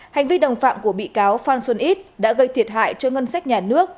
hành vi đồng phạm của bị cáo phan xuân ít đã gây thiệt hại cho ngân sách nhà nước